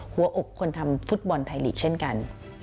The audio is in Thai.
หัวอกคนทำฟุตบอลไทยลีกเช่นกัน